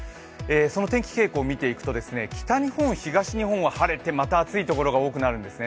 その天気傾向を見ていくと、北日本、東日本は晴れてまた暑いところが多くなるんですね。